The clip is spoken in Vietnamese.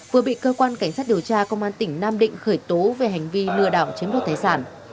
vừa bị cơ quan cảnh sát điều tra công an tỉnh nam định khởi tố về hành vi lừa đảo chiếm đoạt tài sản